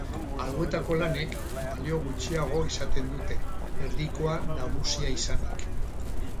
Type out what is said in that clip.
Alboetako lanek balio gutxiago izaten dute, erdikoa nagusia izanik.